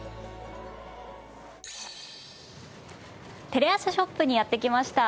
テレアサショップにやって来ました。